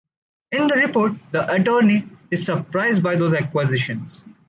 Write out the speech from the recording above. In the report, the attorney is surprised by those accusations.